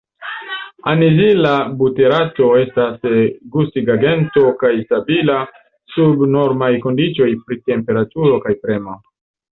Anizila buterato estas gustigagento kaj stabila sub normaj kondiĉoj pri temperaturo kaj premo.